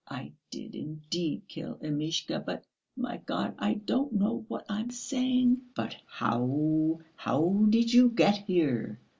I did indeed kill Amishka, but ... my God, I don't know what I am saying!" "But how, how did you get here?"